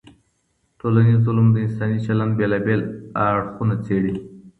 ټولنیز علوم د انساني چلند بېلابېل اړخونه څېړي.